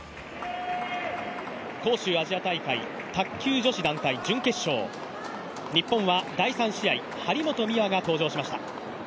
杭州アジア大会、卓球女子団体、準決勝、日本は第３試合、張本美和が登場しました。